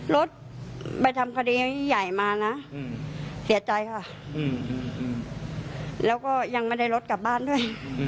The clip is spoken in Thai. รถไปทำคดีใหญ่มานะเสียใจค่ะแล้วก็ยังไม่ได้รถกลับบ้านด้วย